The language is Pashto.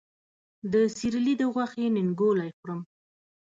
د سېرلي د غوښې ننګولی خورم